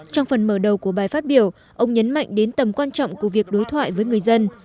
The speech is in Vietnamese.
trong phần mở đầu của bài phát biểu ông nhấn mạnh đến tầm quan trọng của việc đối thoại với người dân